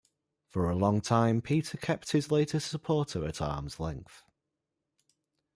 For a long time Peter kept his latest supporter at arm's length.